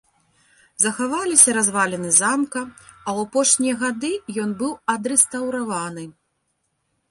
Захаваліся разваліны замка, а ў апошнія гады ён быў адрэстаўраваны.